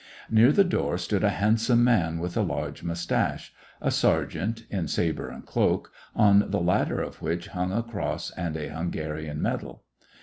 Near the door stood a handsome man, with a large moustache, — a sergeant, in sabre and cloak, on the latter of which hung a cross and a Hunga rian medal.